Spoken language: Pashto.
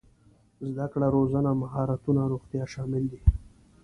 زده کړه روزنه مهارتونه روغتيا شامل دي.